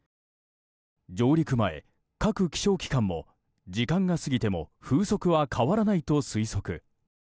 上陸前、各気象機関も時間が過ぎても風速は変わらないと推測。